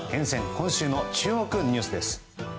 今週の注目ニュースです。